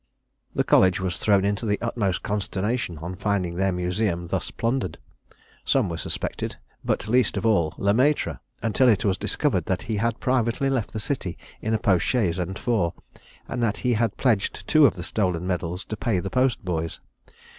The college was thrown into the utmost consternation on finding their Museum thus plundered. Some were suspected, but least of all Le Maitre, until it was discovered that he had privately left the city in a post chaise and four, and that he had pledged two of the stolen medals to pay the post boys.